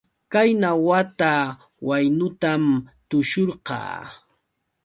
Qayna wata waynutam tushurqaa.